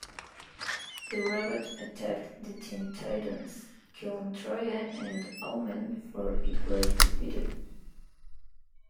The robot attacked the Teen Titans, killing Troia and Omen before it was defeated.